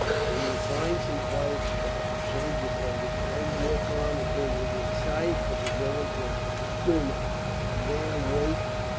When you find some quiet spot, change your clothes, and walk on until within sight of the village of Gulnach, and there wait.